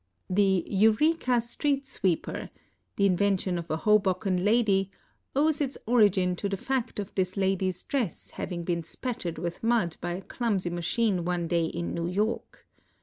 The Eureka street sweeper, the invention of a Hohoken lady, owes its origin to the fact of this lady's dress having been spattered with mud by a clumsy machine one day in New York.